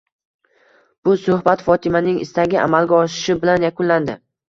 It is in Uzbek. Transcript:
Bu suhbat Fotimaning istagi amalga oshishi bilan yakunlandi.